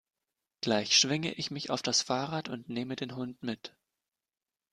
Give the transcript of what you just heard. Gleich schwinge ich mich auf das Fahrrad und neme den Hund mit.